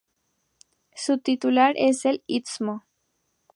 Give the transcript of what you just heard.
Su titular es el Stmo.